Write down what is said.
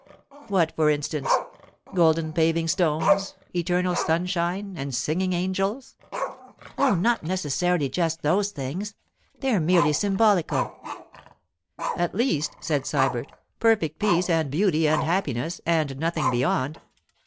'What, for instance? Golden paving stones, eternal sunshine, and singing angels!' 'Oh, not necessarily just those things. They're merely symbolical.' 'At least,' said Sybert, 'perfect peace and beauty and happiness, and nothing beyond.